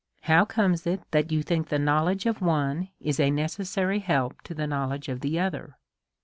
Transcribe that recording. How comes it that you think the knowledge of one is a necessary help to the knowledge of tlie other